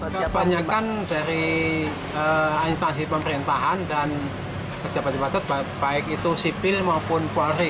kebanyakan dari instansi pemerintahan dan pejabat pejabat baik itu sipil maupun polri